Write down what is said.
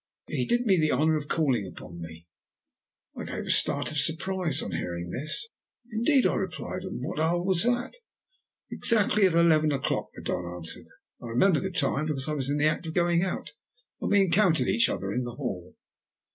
"He did me the honour of calling upon me." I gave a start of surprise on hearing this. "Indeed," I replied. "And at what hour was that?" "Exactly at eleven o'clock," the Don answered. "I remember the time because I was in the act of going out, and we encountered each other in the hall."